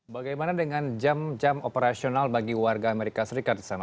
bagaimana dengan jam jam operasional bagi warga amerika serikat di sana